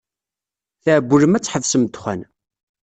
Tɛewwlem ad tḥebsem ddexxan.